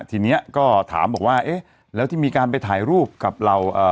ทีเนี้ยก็ถามบอกว่าเอ๊ะแล้วที่มีการไปถ่ายรูปกับเราเอ่อ